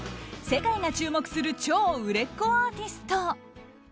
世界が注目する超売れっ子アーティスト。